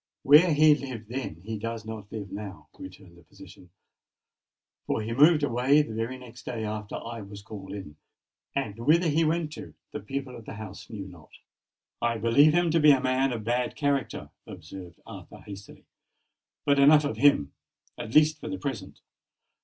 "Where he lived then, he does not live now," returned the physician; "for he moved away the very next day after I was called in; and whither he went to, the people of the house knew not." "I believe him to be a man of bad character," observed Arthur hastily. "But enough of him—at least for the present.